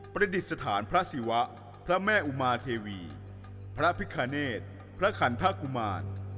ประดิษฐานพระศิวะพระแม่อุมาเทวีพระพิคเนธพระขันทกุมาร